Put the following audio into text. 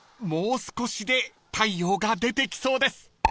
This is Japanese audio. ［もう少しで太陽が出てきそうです］